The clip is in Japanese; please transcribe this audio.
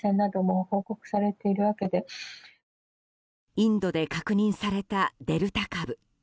インドで確認されたデルタ株。